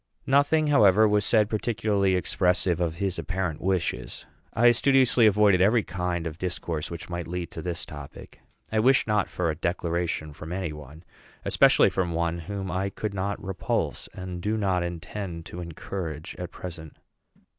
Nothing, however, was said particularly expressive of his apparent wishes. I studiously avoided every kind of discourse which might lead to this topic. I wish not for a declaration from any one, especially from one whom I could not repulse and do not intend to encourage at present.